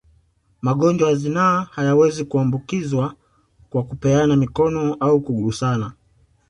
Magonjwa ya zinaa hayawezi kuambukizwa kwa kupeana mikono au kugusana